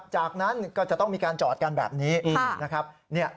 จากนั้นก็จะต้องมีการจอดกันแบบนี้นะครับ